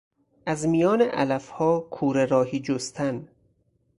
از میان علفها کوره راهی جستن